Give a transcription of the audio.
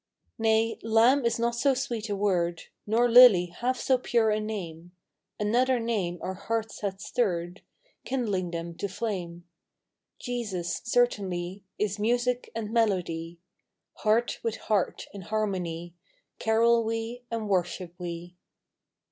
Nay, lamb is not so sweet a word, Nor lily half so pure a name ; Another name our hearts hath stirred, Kindling them to flame :" Jesus " certainly Is music and melody; Heart with heart in harmony Carol we and worship we.